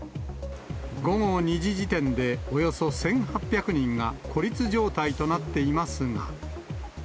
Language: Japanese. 午後２時時点で、およそ１８００人が孤立状態となっていますが。